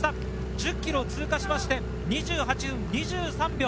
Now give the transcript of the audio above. １０ｋｍを通過して２８分２３秒。